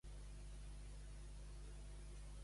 Córrer com un gambo.